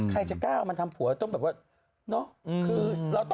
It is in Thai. ใครจะก้าวมาทำผัวต้องแบบว่า